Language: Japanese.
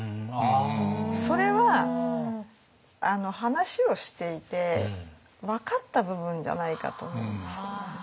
それは話をしていて分かった部分じゃないかと思うんですよね。